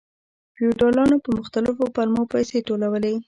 فیوډالانو په مختلفو پلمو پیسې ټولولې.